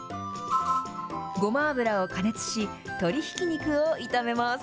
ごま油を加熱し、鶏ひき肉を炒めます。